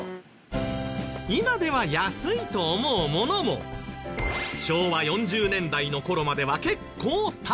今では安いと思うものも昭和４０年代の頃までは結構高かった。